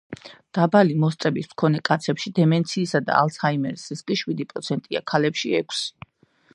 დაბალი მოსწრების მქონე კაცებში დემენციისა და ალცჰაიმერის რისკი შვიდი პროცენტია, ქალებში – ექვსი.